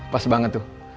pas banget tuh